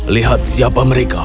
lihat siapa mereka